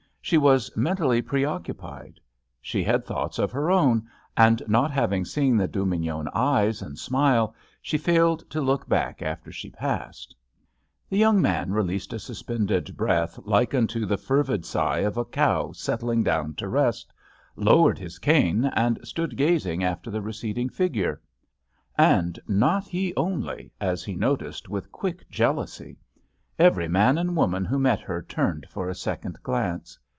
She was mentally preoccupied. She had thoughts of her own and not having seen the Dubignon eyes and smile she failed to look back after she passed. JUST SWEETHEARTS The young man released a suspended breath like unto the fervid sigh of a cow set tling down to rest, lowered his cane and stood gazing after the receding figure. And not he only, as he noticed with quick jealousy. Every man and woman who met her turned for a second glance.